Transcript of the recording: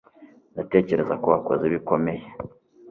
ndatekereza ko wakoze ibikomeye